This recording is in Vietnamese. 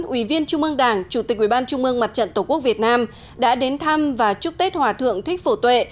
ủy viên trung ương đảng chủ tịch ủy ban trung mương mặt trận tổ quốc việt nam đã đến thăm và chúc tết hòa thượng thích phổ tuệ